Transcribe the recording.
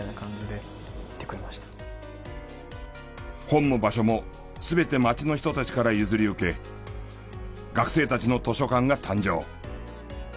本も場所も全て町の人たちから譲り受け学生たちの図書館が誕生。